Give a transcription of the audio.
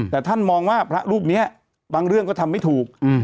แต่ท่านมองว่าพระรูปนี้บางเรื่องก็ทำไม่ถูก